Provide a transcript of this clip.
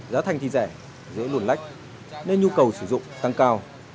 giá thành thì rẻ dễ luồn lách nên nhu cầu sử dụng tăng cao